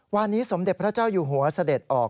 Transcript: วันนี้สมเด็จพระเจ้าอยู่หัวเสด็จออก